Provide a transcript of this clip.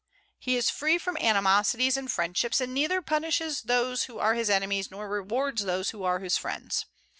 He is free from animosities and friendships, and neither punishes those who are his enemies nor rewards those who are his friends.